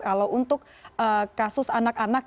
kalau untuk kasus anak anak